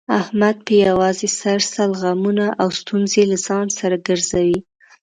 احمد په یووازې سر سل غمونه او ستونزې له ځان سره ګرځوي.